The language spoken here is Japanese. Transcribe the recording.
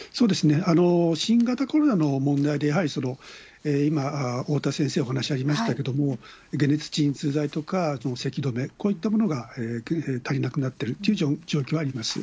新型コロナの問題でやはり今、おおたわ先生お話ありましたけれども、解熱鎮痛剤とかせき止め、こういったものが足りなくなってるという状況はあります。